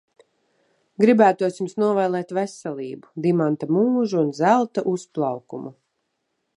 Gribētos jums novēlēt veselību, dimanta mūžu un zelta uzplaukumu.